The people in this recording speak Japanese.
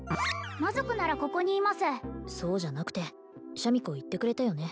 魔族ならここにいますそうじゃなくてシャミ子言ってくれたよね？